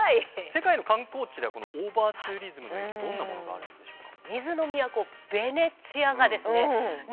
世界の観光地ではこのオーバーツーリズムの影響どんなものがあるんでしょうか？